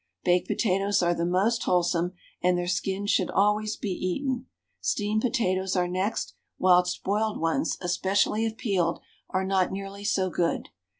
Baked potatoes are the most wholesome, and their skins should always be eaten; steamed potatoes are next; whilst boiled ones, especially if peeled, are not nearly so good.